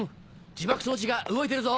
自爆装置が動いてるぞ！